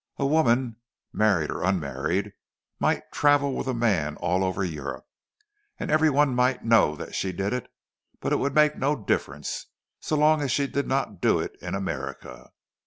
A woman, married or unmarried, might travel with a man all over Europe, and every one might know that she did it, but it would make no difference, so long as she did not do it in America.